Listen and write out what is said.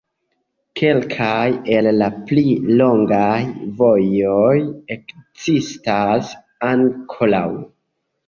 Kelkaj el la pli longaj vojoj ekzistas ankoraŭ.